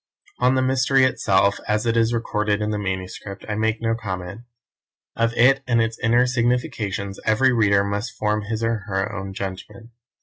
On the mystery itself, as it is recorded in the manuscript, I make no comment. Of it and its inner significations every reader must form his or her own judgment.